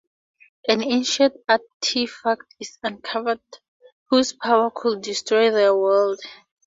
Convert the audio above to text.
An ancient artifact is uncovered, whose power could destroy their world.